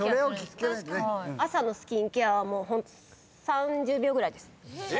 朝のスキンケアはホント３０秒ぐらいです。